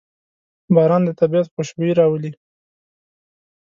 باران د طبیعت خوشبويي راولي.